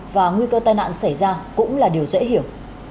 và nguy cơ tai nạn xảy ra cũng là điều dễ hiểu